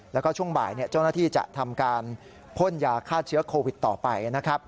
แล้วก็ช่วงบ่ายเจ้าหน้าที่จะทำการพ่นยาฆ่าเชื้อโควิดต่อไปนะครับ